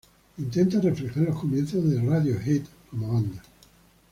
Intenta reflejar los comienzos de Radiohead como banda.